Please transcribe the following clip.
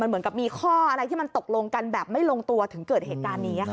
เหมือนกับมีข้ออะไรที่มันตกลงกันแบบไม่ลงตัวถึงเกิดเหตุการณ์นี้ค่ะ